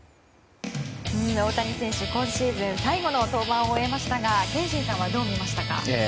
大谷選手、今シーズン最後の登板を終えましたが憲伸さんはどう見ましたか？